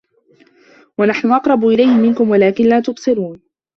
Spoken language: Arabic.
وَنَحنُ أَقرَبُ إِلَيهِ مِنكُم وَلكِن لا تُبصِرونَ